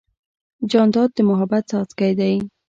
جانداد د محبت څاڅکی دی.